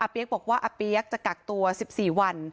เปี๊กบอกว่าอเปี๊ยกจะกักตัว๑๔วัน